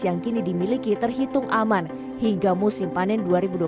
yang kini dimiliki terhitung aman hingga musim panen dua ribu dua puluh satu